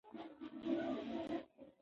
د لغمان تاریخي سیمې زموږ د تمدن ویاړونه دي.